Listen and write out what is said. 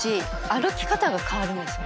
歩き方が変わるんです。